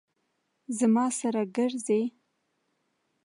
زما سر ګرځي